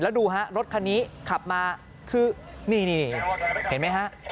แล้วดูฮะรถคันนี้ขับมาคือนี่เห็นไหมฮะ